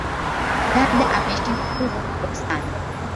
Dada ameshinda tuzo kubwa sana